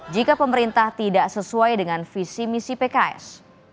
jika pemerintah tidak sesuai dengan visi misi pks